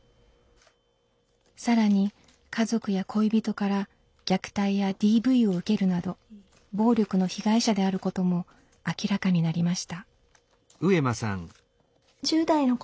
更に家族や恋人から虐待やＤＶを受けるなど暴力の被害者であることも明らかになりました。